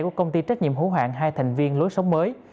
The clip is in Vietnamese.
của công ty trách nhiệm hữu hạng hai thành viên lối sống mới